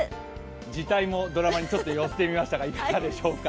字体もドラマにちょっと寄せてみましたが、いかがでしょうか。